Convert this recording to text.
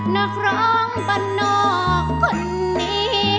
นักร้องปันนอกคนนี้